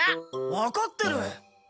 わかってる。